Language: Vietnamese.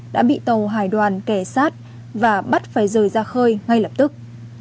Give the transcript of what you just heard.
đã bị tàu hải đoàn kẻ sát và bắt phải rời ra khơi ngay lập tức